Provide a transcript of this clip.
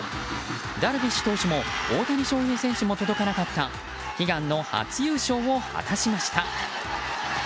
ダルビッシュ投手も大谷翔平選手も届かなかった悲願の初優勝を果たしました。